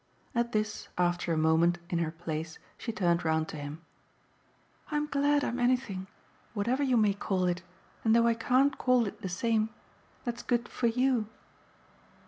At this, after a moment, in her place, she turned round to him. "I'm glad I'm anything whatever you may call it and though I can't call it the same that's good for YOU."